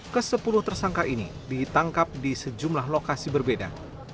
ke sepuluh tersangka ini ditangkap di sejumlah lokasi berbeda